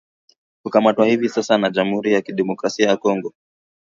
kukamatwa hivi sasa na Jamhuri ya Kidemokrasi ya Kongo